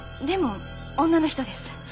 でも女の人です。